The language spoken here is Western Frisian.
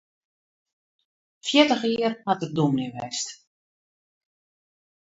Fjirtich jier hat er dûmny west.